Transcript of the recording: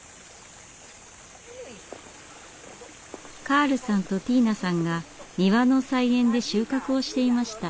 カールさんとティーナさんが庭の菜園で収穫をしていました。